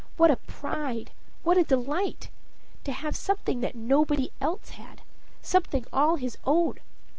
What a pride, what a delight! To have something that nobody else had something all his own.